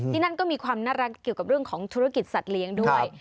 ที่นั่นก็มีความน่ารักเกี่ยวกับเรื่องของธุรกิจสัตว์เลี้ยงด้วย